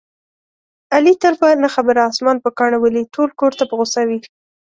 علي تل په نه خبره اسمان په کاڼو ولي، ټول کورته په غوسه وي.